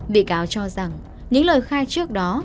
bị cáo cho rằng những lời khai trước đó